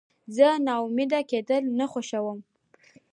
زه ناامیده کېدل نه خوښوم.